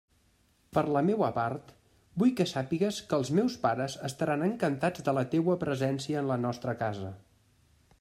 Per la meua part vull que sàpigues que els meus pares estaran encantats de la teua presència en la nostra casa.